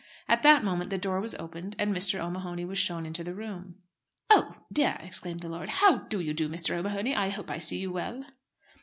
At that moment the door was opened and Mr. O'Mahony was shown into the room. "Oh! dear," exclaimed the lord, "how do you do, Mr. O'Mahony? I hope I see you well."